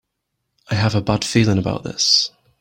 I have a bad feeling about this!